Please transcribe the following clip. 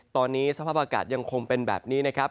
ตอนนี้สภาพอากาศยังคงเป็นแบบนี้นะครับ